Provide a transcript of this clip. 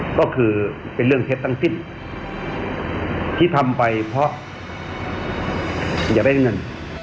ก็คือเป็นเรื่องเท็จทั้งสิ้นที่ทำไปเพราะอย่าไม่ได้เงิน